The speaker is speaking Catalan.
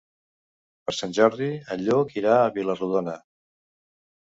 Per Sant Jordi en Lluc irà a Vila-rodona.